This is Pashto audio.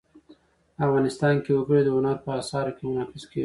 افغانستان کې وګړي د هنر په اثار کې منعکس کېږي.